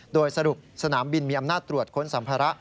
โดยสรุปสนามบินมีอำนาจตรวจค้นสัมภาระ